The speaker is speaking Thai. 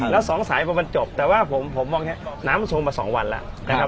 แล้วสองสายมันจบแต่ว่าผมมองแหละน้ำมันทรงมาสองวันแล้ว